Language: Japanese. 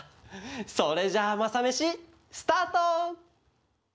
それじゃあ「マサメシ」スタート！